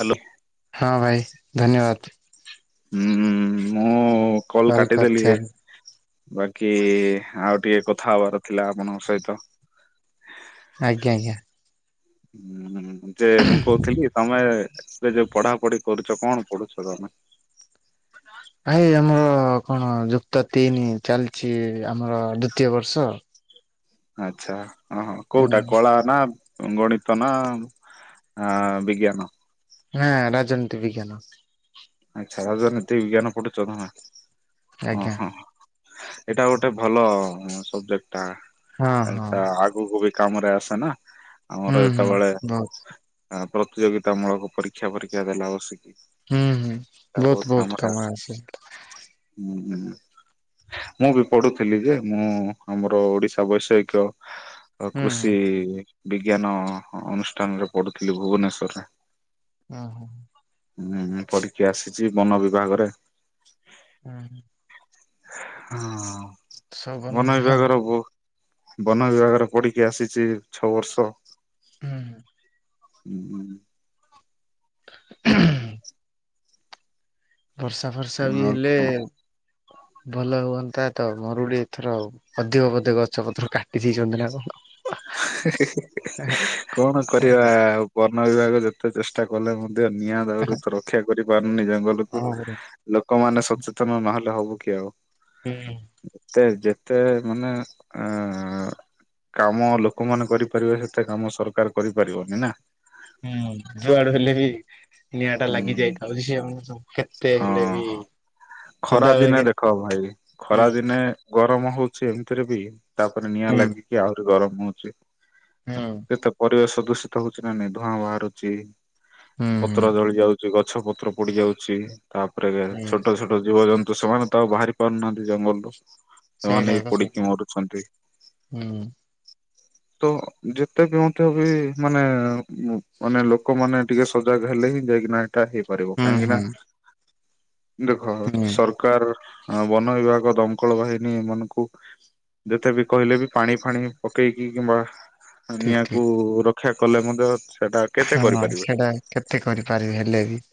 Hello ହଁ ଭାଇ ଧନ୍ୟବାଦ। ହଁ ମୁଁ କଲ କଲ୍ କାଟିଦେଲି। ଏ କରିଥିବାରୁ ବାକି ଆଉ ଟିକେ କଥା ହବାର ଥିଲା ଆପଣଙ୍କ ସହିତ। ଆଜ୍ଞା ଆଜ୍ଞା। ହୁଁ ଯେ ମୁଁ କହୁଥିଲି ତମେ ଏବେ ଯୋଉ ପଢାପଢି କରୁଛ, କଣ ପଢୁଛ ତମେ? [inaudible] ଭାଇ ଆମର କଣ ଯୁକ୍ତ ତିନି ଚାଲିଛି ଆମର ଦ୍ଵିତୀୟ ବର୍ଷ ଆଛା ଓ ହୋ ହୁଁ କୋଉଟା କଳା ନା? ଗଣିତ ନା ଆ ବିଜ୍ଞାନ? ହଁ ରାଜନୀତି ବିଜ୍ଞାନ ଆଛା ରାଜନୀତି ବିଜ୍ଞାନ ପଢୁଛନ୍ତି ନା ଓ ଆଜ୍ଞା ହ ଏଇଟା ଗୋଟେ ଭଲ ସବଜେକ୍ଟା ହଁ ହଁ ଏଟା ଆଗକୁ ବି କାମ ରେ ଆସେ ନା । ହୁଁ ହୁଁ ବହୁତ ପ୍ରତିଯୋଗିତା ମୂଳକ ପରୀକ୍ଷା ପରୀକ୍ଷା ଦେଲା ବସିକି ବହୁତ କାମ ହୁଁ ହ ମୁଁ ବି ପଢୁଥିଲି ଯେ ମୁଁ ଆମର ଓଡିଶା ବୈଷୟିକ ଆ ହୁଁ ହୁଁ କୃଷି ବିଜ୍ଞାନ ଅନୁଷ୍ଠାନରେ ପଢୁଥିଲି ଭୁବନେଶ୍ଵରରେ ହ ହ ହୁଁ ପରୀକ୍ଷା ଆସିଛି ବନ ବିଭାଗରେ ହୁଁ ହ ହଁ ସବୁ ଭଲ ବନ ବିଭାଗ ବିଭାଗର ବହୁତ ବନ ବିଭାଗରେ ପଢିକି ଆସିଛି ଛଅ ବର୍ଷ ହୁଁ ବର୍ଷା ଫର୍ଷା ବି ଆଉ ହେଲେ କଣ ଭଲ ହୁଅନ୍ତା ତ ମରୁଡି ଏଥର ଅଧିକ ବୋଧେ ଗଛ ପତ୍ର କାଟି ଦେଇେଇଛନ୍ତି ନା କଣ? କଣ କରିବା ଆଉ ବନ ବିଭାଗ ଯେତେ ଚେଷ୍ଟା କଲେ ମ ନିଆଁ ଦାଉରୁ ତ ରକ୍ଷା କରିପାରୁନି ଜଙ୍ଗଲକୁ ହଁ ପରା ଲୋକମାନେ ସଚେତନ ନହେଲେ ହବ କଉ [unintelligible] ହୁଁ ମାନେ ଅ କା [unintelligible] କାମ ଲୋକମାନେ କରିପାରିବେ ସେତେ କାମ ସରକାର କରିପାରିବନି ନା ହୁଁ ଯୁଆଡୁ ହେଲେ ବି ନିଆଁ ଟା ହୁଁ ଲାଗି ଯାଇଥାଉ ସିଏ ଆମ ସବୁ କେତେ ହଁ ହେଲେ ବି ଖରା ସଦାବେଳେ ଦିନେ କେ ଦେଖ ଭାଇ ଖରା ହୁଁ ଦିନେ ଗରମ ହଉଛି ଏମିତିରେ ବି ତାପରେ ନିଆଁ ହୁଁ ଲାଗିକି ଆହୁରି ଗରମ ହଉଛି ହୁଁ କେତେ ପରିବେଶ ଦୂଷିତ ହଉଛି ନା ନାଇଁ? ଧୂଆଁ ବାହାରୁଛି। ହୁଁ। ପତ୍ର ଜଳି ଯାଉଛି ଗଛ ପତ୍ର ପୋଡି ଯାଉଛି ତାପରେ ହୁଁ ହୁଁ ଛୋଟ ଛୋଟ ଜୀବଜନ୍ତୁ ତ ସେମାନେ ତ ଆଉ ବାହାରି ପାରୁନାହାନ୍ତି ଜଙ୍ଗଲରୁ ସେଇଟା ସେମାନେ ଏକା ସବୁ ପୋଡିକି ମରୁଛନ୍ତି । ହୁଁ। ତ ଯେତେ ବି ମଧ୍ୟ ବି ମାନେ ମାନେ ଲୋକମାନେ ଟିକେ ସଜାଗ ହେଲେ ହିଁ ଯାଇକିନା ଟା ହେଇପାରିବ ହୁଁ କାହିଁକି ନା ହୁଁ ଦେଖ ହୁଁ ସରକାର ବନ ବିଭାଗ ଦମକଳ ବାହିନୀ ଏମାନଙ୍କୁ ଯେତେ ବି କହିଲେ ବି ପାଣି ଫାଣି ପକେଇକି କିମ୍ବା ଠିକ ହାନିଆଁକୁ ରକ୍ଷା କଲେ ମଧ୍ୟ ଅ ହଁ ସେଟା କେତେ? କରିପାରିବେ ହେଲେ ବି?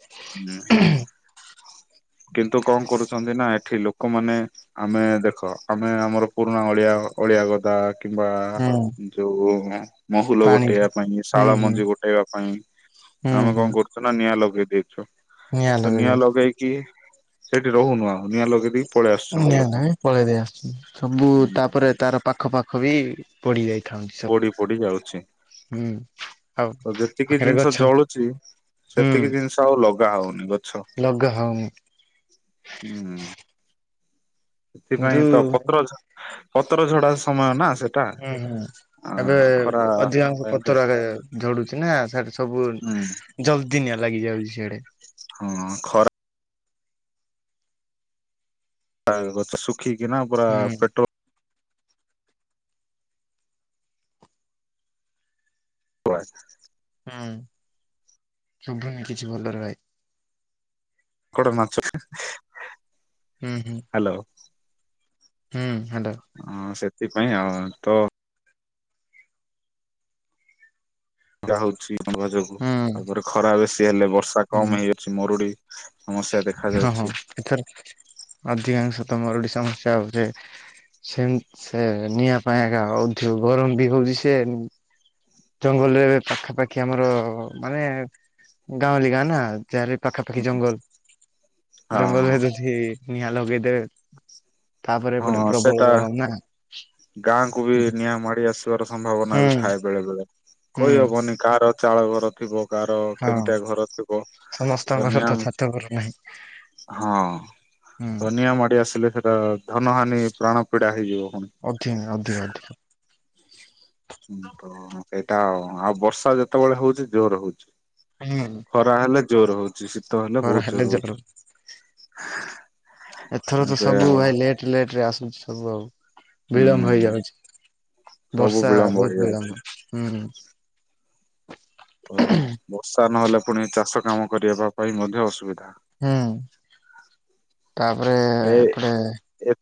କିନ୍ତୁ କଣ କରୁଛନ୍ତି ନା ଏଠି ଲୋକମାନେ ଆମେ ଦେଖ ଆମେ ଆମର ପୁରୁଣାଓଳ ଆ ଓଳିଆ ଗଦା କିମ୍ବା ହୁଁ ଯୋଉ ମହୁଲ ପାଣି ଗୋଟେଇବା ପାଇଁ ହୁଁ ଶାଳ ହୁଁ ମଞ୍ଜି ଗୋଟେଇବା ପାଇଁ ହୁଁ ଆମେ ହୁଁ କଣ କରୁଛୁ ନା ନିଆଁ ଲଗେଇ ଦେଇଛୁ। ନିଆଁ ତ ଲଗେଇଦ‌ଉ। ଲଗେଇକି ସେଠି ରହୁନୁ ଆଉ ନିଆଁ ଲଗେଇଦି ନାଇଁ ପଳେଇ ଦେଇ ଆସୁଛି ସବୁ ତାପରେ ତାର ପାଖ ପାଖ ବି ପୋଡି ଯାଇଛି। ପୋଡି ପୋଡି ଯାଉଛି ଆଉ ଆ ଯେତିକି ପାଖରେ ଜିନିଷ ଗଛ ଜଳୁଛି ହୁଁ ସେତିକି ଜିନିଷ ଆଉ ଲଗା ହଉନି ଗଛ। ଲଗା ହଉନି ହୁଁ ଉଁ। କିନ୍ତୁ ଥିପାଇଁ ତ ପତ୍ର ଝ ପତ୍ର ଝଡା ସମୟ ନା ସେଟା ହୁଁ ହୁଁ ଅ ଏବେ ଖରା ଅଧିକାଂଶ ଟାଇମରେ ପତ୍ରରେ ଝଡୁଛି ନା ସରି ସବୁ ହୁଁ ଜଲ୍ଦିି ନିଆଁ ଲାଗିଯାଉଛି ସିଆଡେ। ହଁ ଖର ଖରାକୁ ଗଛ ଶୁଖିକିନା ପୁରା ହୁଁ ପେଟ୍ରୋଲ ୱା ହୁଁ ଶୁଭୁନି କିଛି ଭଲରେ ଭାଇ। କୋଡ ମାଛ ହେଁ ହେଁ। ହୁଁ ହୁଁ। ହୁଁ ହେଲୋ। ସେଥିପାଇଁ ଆଉ ତ ଯା ହଉଛି ଆମ୍ଭ ଯୋଗୁ ହୁଁ ତାପରେ ଖରା ବେସି ହେଲେ ବର୍ଷା ହୁଁ କମ ହେଇଉଛି ମରୁଡି ସମସ୍ୟା ଦେଖା ହଁ ହଁ ଯାଉଛି ଏଥର ଅଧିକାଂଶ ତ ମରୁଡ଼ି ସମସ୍ୟା ହଉଛି। ସେ ସେ ନିଆଁ ପାଇଁ କା ଅଧିକ ଗରମ ବି ହଉଛି ସେମ୍ ଜଙ୍ଗଲରେ ଏବେ ପାଖାପାଖି ଆମର ମାନେ ଗାଁଉଲି ଗାଁ ନା ଚାରି ପାଖାପାଖି ଜଙ୍ଗଲ ହଁ ଜଙ୍ଗଲରେ ବେସି‌ ନିଆଁ ଲଗେଇଦେ ତାପରେ ଏପଟେ ହଁ ପ୍ରବଳ ସେଟା ଗରମ ନା ଗାଁକୁ ବି ହୁଁ ନିଆଁ ମାଡି ଆସିବାର ସମ୍ଭାବନା ବି ଥାଏ ବେ ବେଲେବବେଳେ ହୁଁ କହିହବନି କାହାର ଚାଳ ଥିବ। କାହାର ହଁ କେମିତିଆ ଘର ଥିବ ସମସ୍ତଙ୍କ ଘର ତ ତନିଆମ ଛାତ ଘର ନାହିଁ ହଁ, ହୁଁ ତ ନିଆଁ ମାଡି ଆସିଲେ ସେଟା ଧନ ହାନି ପ୍ରାଣ ପୀଡା ହେଇଯିବ। ପୁଣି। ଅଧିନ ଅଧିକ ଅଧିକ ହୁଁ ତ ସେଇଟା ଆଉ ବର୍ଷା ଯେତେବେଳେ ହଉଛି ଜୋର ହଉଛି‌। ହୁଁ ଖରା ହେଲେ ଜୋର ହଉଛି। ଶୀତ ହେଲେ ଘର ବହୁତ ଜୋର ଜର ହଉଛି। ଏଥର ତ ଏବେ ସବୁ ଆଉ ଭାଇ ଲେଟ୍ ଲେଟରେ ଆସୁଛି ସବୁ ଆଉ। ହୁଁ ବିଳମ୍ବ ହେଇଯାଉଛି, ସବୁ ବର୍ଷା ବିଳମ୍ବ ବହୁତ ହେଇଯାଉଛି ବିଳମ୍ବ। ତ ବର୍ଷା ନହେଲେ ପୁଣି ଚାଷ କାମ କରିବା ପାଇଁ ମଧ୍ୟ ଅସୁବିଧା। ହୁଁ, ତାପରେ ଏ ଏପଟେ ଏ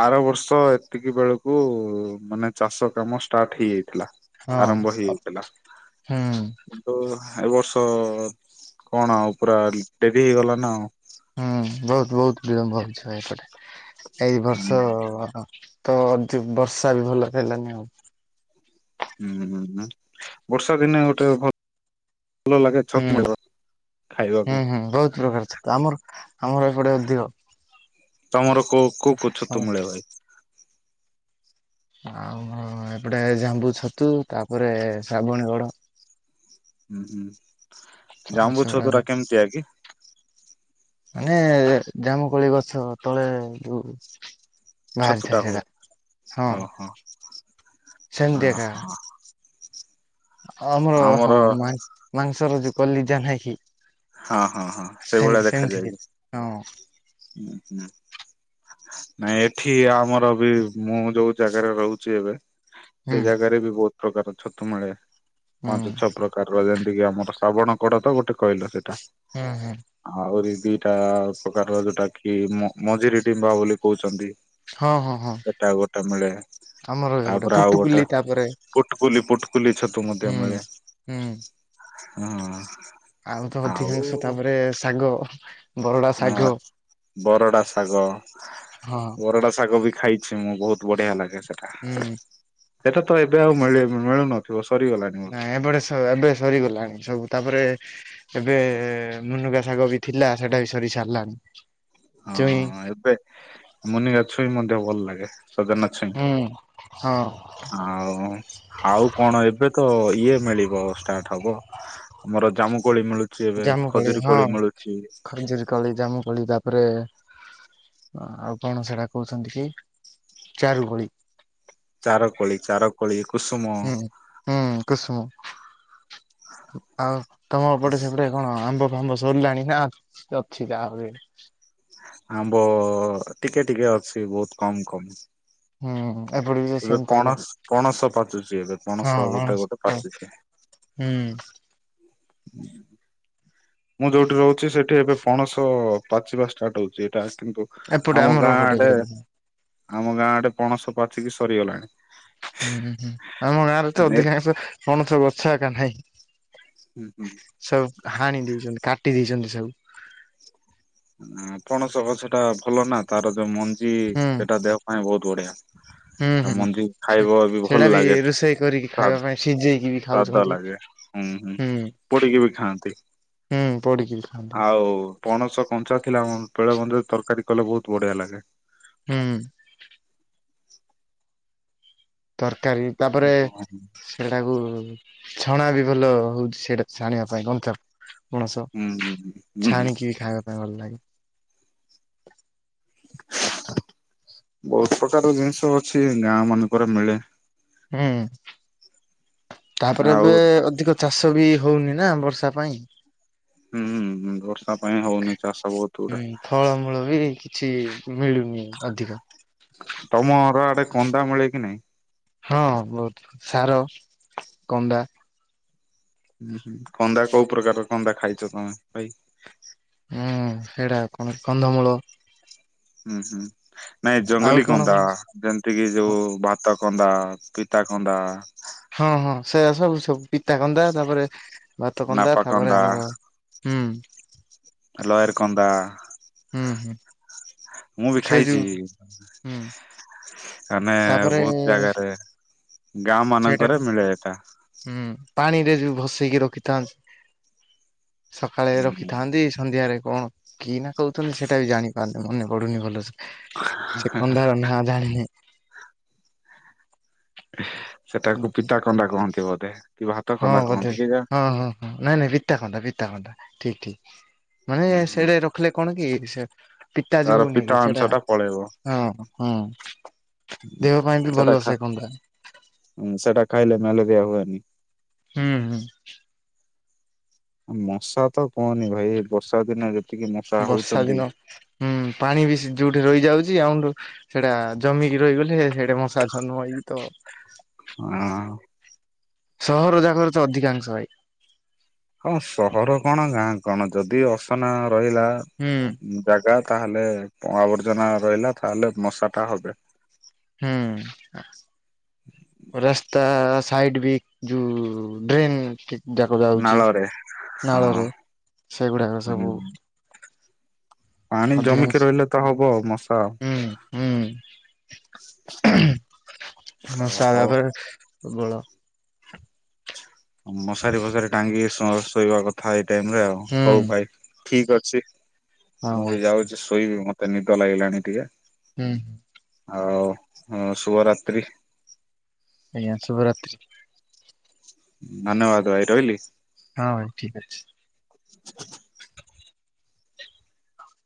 ଆର ବର୍ଷ ଏତିକି ବେଳକୁ ମାନେ ଚାଷ କାମ ଷ୍ଟାର୍ଟ ହେଇଯାଇ ହେଲା ହଁ ଆରମ୍ଭ ହେଇଯାଇଥିଲା ହୁଁ ତ ଏ ବର୍ଷ କଣ ଆଉ ପୁରା ଡେରି ହେଇଗଲା ନା ଭୁ ଆଉ। ହୁଁ ବହୁତ ବହୁତ ବିଳମ୍ବ ହଉଛି ଭାଇ ଏପଟେ ଏଇ ବର୍ଷ ହୁଁ ତ ଅଧେ ବର୍ଷା ବି ଭଲ ହେଲାନି ଆଉ। ହୁଁ ହୁଁ ହଁ ବର୍ଷା ଦିନେ ଗୋଟେ ଭ ଆଗେ ହୁଁ ଛୋକ୍ ମିବ ଉଥି ହୁଁ ହୁଁ ବହୁତ ପ୍ରକାର ଛକ୍ ଆମର ଆମର ଏପଟେ ଅଧିକ ତମର କୋଉ କୋଉକୁ ଛତୁ ମିଳେ ଭାଇ। ଆଉ ଏପଟେ ଜାମ୍ବୁ ଛତୁ ତାପରେ ହୁଁ ହୁଁ ତ ଗଛ ଜାବୁଛ ଗୁଡାକ ତୁରା କେମିତି ଆ କି ମାନେ ଜାମୁକୋଳି ଗଛ ତଳେ ଯୋଉ ବାହାରିଥା ଛତୁଟା ହୁଏ? ସେଛଡ଼ା ହଁ ଓହୋ ସ ନ୍ଧ୍ୟା ଟା ଓହୋ ଆମର ହଁ ମାଂସର ଯ କଲିଜା ନାହିଁ କି। ହଁ ହଁ ହଁ ସେଇଭଳିଆ ସେମତି ସେମିତି ଦେଖାଯାଏ କି ହଁ ହୁଁ ହୁଁ। ନାଇଁ ଏଠି ଆମର ବି ମୁଁ ଯୋଉ ଜାଗାରେ ରହୁଛି ଏବେ ହୁଁ ସେଇ ଜାଗାରେ ବି ବହୁତ ପ୍ରକାର ଛତୁ ମିଳେ ହୁଁ ପାଞ୍ଚ ଛଅ ପ୍ରକାରର ଯେମତିକି ଆମର ଶ୍ରବଣ କଡ ତ ଗୋଟେ କହିଲ ସେଇଟା ହୁଁ ହୁଁ ଆହୁରି ଦିଟା ପ୍ରକାର ଯୋଉଟା କି ମଝିରି ଡିମ୍ବା ବୋଲି କହୁଛନ୍ତି। ହଁ ହଁ ହଁ ଏଟା ଗୋଟେ ମିଳେ। ଆମର ଏପଟେ ତାପରେ ଆଉ ଗୋଟେ ପୁଟୁକୁଲି ତାପରେ ପୁଟକୁଲି ପୁଟକୁଲି ଛତୁ ମଧ୍ୟ ହୁଁ ମିଳେ। ହୁଁ। ହଁ। ଆଉ ତ ଅଧିକାଂଶ ତାପରେ ଶାଗ। ବରଡା ହଁ ଶାଗ ବରଡା ଶାଗ ହଁ ବରଡା ଶାଗ ବି ଖାଇ ଛି ମୁଁ ବହୁତ ବଢିଆ ଲାଗେ। ହୁଁ। ଏଟା ତ ଏବେ ଆଉ ମିଳେ ମିଳୁ ନଥିବ। ନାଇଁ ଏବଟେ ଏବେ ସରିଗଲାଣି ସବୁ । ତାପରେ ଏବେ ମୁନୁକା ଶାଗ ବି ଥିଲା ସେଟା ବି ସରି ସାରିଲାଣି। ଚୁଇଁ ହଁ ଏବେ ମୁନି ଛୁଇ ମଧ୍ୟ ଭଲ ଲାଗେ। ସଜନା ଛୁଇଁ ହୁଁ ହଁ ଆଉ ଆଉ କଣ ଏବେ ତ ଇଏ ମିଳିବ ଷ୍ଟାର୍ଟ ହବ ଆମର ଜାମୁ କୋଳି ମିଳୁଛି ଏବେ ଜାମୁ କୋଳି ଖଜୁରୀ ହଁ ମିଳୁଛି ଖଜୁରୀ କୋଳି ଜାମୁ କୋଳି ତାପରେ ଆଉ କଣ ସେଟା କହୁଛନ୍ତି କି ଚାରୁକୋଳି। ଚାରକୋଳି ଚାରକୋଳି। ହୁଁ ହୁଁ କୁସୁମ। ଆଉ ତମପଟେ ସେପଟେ କଣ ଆମ୍ବ? ଫାମ୍ବ ସରିଲାଣି ନା ଅଛି ଯାହା [unintelligible] ଆମ୍ବ ଟିକେ ଟିକେ ଅଛି ବହୁତ କମ କମ। ହୁଁ ଏପଟେ ବି ଏବେ ସେମତିଆ ପଣସ ପଣସ ପାଚୁଛି ଏବେ ପଣସ ଗୋଟେ ଗୋଟେ ହଁ। ପାଚୁଛି। ହୁଁ। ମୁଁ ଯୋଉଠି ରହୁଚି ସେଠି ଏବେ ପଣସ ପାଚିବା ଷ୍ଟାର୍ଟ ହଉଚି ଏଇଟା। କିନ୍ତୁ ଏପଟେ ଆମ ଆମର ଗାଁ ଏପଟେ ଆଡେ ହୁଁ ଆମ ଗାଁ ଆଡେ ପଣସ ପାଚିକି ସରିଗଲାଣି। ହୁଁ ହୁଁ ହୁଁ ଆମ ଗାଁ ରେ ତ ଅଧିକାଂଶ ପଣସ ଗଛ ଏକା ନାହିଁ। ସବୁ ହାଣି ଦେଇଚନ୍ତି କାଟି ଦେଇଚନ୍ତି ସବୁ। ପଣସ ଗଛ ଟା ଭଲ ନା ତାର ଯୋଉ ମ ଞ୍ଜି ହୁଁ ସେଟା ଦେହ ପାଇଁ ବହୁତ ବଢିଆ। ହୁଁ ହୁଁ। ମଞ୍ଜି ଖାଇବ ବି ଭଲ ସେଇଟା ଲାଗେ ରୋଷେଇ କରିକି ସ୍ୱା ଖାଇବା ପାଇଁ ସିଝେଇକି ବି ସ୍ୱାଦ ଖାଉଛନ୍ତି। ଲାଗେ। ହୁଁ ହୁଁ ପୋଡିକି ବି ଖାଆନ୍ତି। ହୁଁ ପୋଡ଼ିକି ବି ଖାଆନ୍ତି। ଆଉ ପଣସ କଞ୍ଚା ଥିଲା [unintelligible] ତରକାରୀ କଲେ ବହୁତ ବଢିଆ ଲାଗେ। ହୁଁ। ତରକାରୀ ତାପରେ ହୁଁ ସେଟାକୁ ଛଣା ବି ଭଲ ହଉଛି ସେଟା। ଛାଣିବା ପାଇଁ କଞ୍ଚା ପଣସ ହୁଁ ଛାଣିକି ଖାଇବା ପାଇଁ ଭଲ ଲାଗେ। ବହୁତ ପ୍ରକାର ଜିନିଷ ଅଛି ଗାଁ ମାନଙ୍କ ରେ ମିଳେ। ହୁଁ ତାପରେ ଆଉ ଏବେ ଅଧିକ ଚାଷ। ବି ହଉନି ନା ବର୍ଷା ପାଇଁ। ହୁଁ ବର୍ଷା ପାଇଁ ହଉନି ଚାଷ ବହୁତ ଗୁଡେ। ଛିି ମିଳୁ ନି ଅଧିକ। ତମର ଆଡେ କନ୍ଦା ମିଳେ କି ନାଇଁ? ହଁ ବହୁତ ସାର କନ୍ଦା। ହୁଁ ହୁଁ କନ୍ଦା କୋଉ ପ୍ରକାର କନ୍ଦା ଖାଇଚ ତମେ ଭାଇ? ହୁଁ ସେଇଟା [unintelligible] କନ୍ଦମୂଳ। ହୁଁ ହୁଁ ନାଇଁ ଜଙ୍ଗଲୀ କଣ କନ୍ଦା କଣ ଯେମତି କିି ଯୋଉ ଭାତ କନ୍ଦା ପିତା କନ୍ଦା। ହଁ ହଁ ସେଇଆ ସବୁ ସବୁ। ପିତାକନ୍ଦା ତାପରେ ଭାତ କନ୍ଦା ନାପା ତାପରେ ଆମର ହୁଁ। ଲୟର କନ୍ଦା। ହୁଁ ହୁଁ ମୁଁ ବି ସେ ଖାଇଛି। ଯୋଉ ହୁଁ ମାନେ ତାପରେ ବହୁତ ଜାଗାରେ ଗାଁ ମାନଙ୍କରେ ସେଇଟାକୁ ମିଳେ ଏଟା ହୁଁ ପାଣିରେ ବି ଭସେଇକି ରଖିଥାନ୍ତି ସକାଳେ ହୁଁ ରଖିଥାନ୍ତି ସନ୍ଧ୍ୟାରେ କଣ କି ନା କହୁଛନ୍ତି ସେଇଟା ବି ଜାଣିପାରନ୍ତି ମନେ ପଡୁନି ଭଲସ ସେ କନ୍ଦାର ନା ଜାଣିନି ସେଟାକୁ ପିତା କନ୍ଧା କୁହନ୍ତି ବୋଧେ କି ଭାତ ହଁ କନ୍ଦା ବୋଧେ କହନ୍ତି କେଜାଣି। ହଁ ହଁ ହଁ ନାଇଁ ନାଇଁ ବିତା ଖନ୍ଦା ବିତା ଖନ୍ଦତା ଠିକ ଠିକ ମାନେ ହୁଁ ହୁଁ ସେଇଟା ରଖିଲେ କଣ କି ସେ ପିତାଜୀ ତାର ହଉନି ପିତା କି ଅଂଶ ସେଟା ଟା ପଳେଇବ। ହଁ ହଁ ଦେହ ପାଇଁ ବି ଭଲ ସେ କନ୍ଦା । ହଁ ସେଟା ଖାଇଲେ ମ୍ୟାଲେରିଆ ହୁଏନି ହୁଁ ହୁଁ ମଶା ତ କହନି ଭାଇ ବର୍ଷା ଦିନ ବର୍ଷା ଦିନ ହୁଁ ପାଣି ବି ଯୋଉଠି ରହିଯାଉଛି ଆଉଠୁ ସେଟା ଜମିକି ରହିଗଲେ ସେଟ ମଶା ନୁହଇକି ତ ହଁ ସହର ଜାଗର ତ ଅଧିକାଂଶ ଭାଇ ହଁ ସହର କଣ ଗାଁ କଣ ଯଦି ଅସନା ରହିଲା ହୁଁ ଜାଗା ତାହେଲେ ଆବର୍ଜନା ରହିଲା ତାହଲେ ମଶା ଟା ହବ ହୁଁ ରାସ୍ତା ସାଇଡ ବି ଯୋଉ ଡ୍ରେନ୍ ଯାକ ଯାଉଛି ନାଳରେ ହଁ। ନାଳରେ ସେଗୁଡାକ ସବୁ ହୁଁ ପାଣି ଅଧିକାଂଶ ଜମିକି ରହିଲେ ତ ହବ ମଶା ମଶଲା ହଉ ପରେରେ ସବଳ [unintelligible] ମଶାରୀ ଫସାରି ଟାଙ୍ଗିକି ଶୋଇବା କଥା ଏଇ ଟାଇମରେ ଆଉ ହଉ ହୁଁ। ଭାଇ ଠିକ ଅଛି ହଁ ମୁଁ ଭାଇ। ବି ଯାଉଛି ଶୋଇବି, ମତେ ନିଦ ଲାଗିଲାଣି ଟିକେ ହୁଁ ହଁ ଆଉ ହ ଶୁଭରାତ୍ରି ଆଜ୍ଞା ଶୁଭ ରାତ୍ରି। ଧନ୍ୟବାଦ ଭାଇ ରହିଲି। ହଁ ଭାଇ ଠିକ ଅଛି । ହ [inaudible]